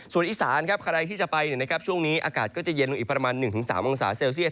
ส่วนอีสานใครที่จะไปช่วงนี้อากาศก็จะเย็นลงอีกประมาณ๑๓องศาเซลเซียส